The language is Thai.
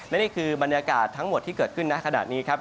และนี่คือบรรยากาศทั้งหมดที่เกิดขึ้นนะขณะนี้ครับ